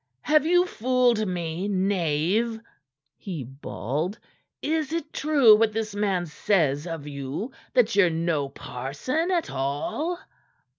"Have you fooled me, knave?" he bawled. "Is it true what this man says of you that ye're no parson at all?"